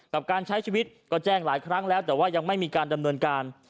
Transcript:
กับการใช้ชีวิตก็แจ้งหลายครั้งแล้วแต่ว่ายังไม่มีการดำเนินการ